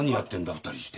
２人して。